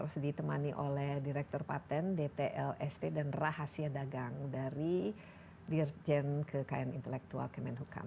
jadi kita harus ditemani oleh direktur paten dtlst dan rahasia dagang dari dirjen kekayaan intelektual kemenhukam